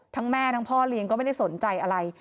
แม่ทั้งพ่อเลี้ยงก็ไม่ได้สนใจอะไร